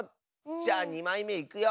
じゃあ２まいめいくよ。